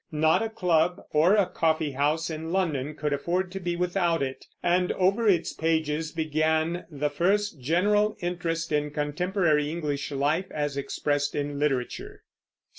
Not a club or a coffeehouse in London could afford to be without it, and over it's pages began the first general interest in contemporary English life as expressed in literature.